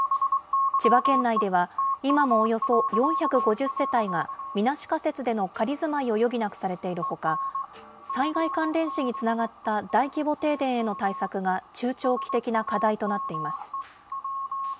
千葉県内では、今もおよそ４５０世帯がみなし仮設での仮住まいを余儀なくされているほか、災害関連死につながった大規模停電への対策が、中長期的な課題となっています。